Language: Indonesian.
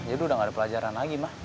jadi udah nggak ada pelajaran lagi ma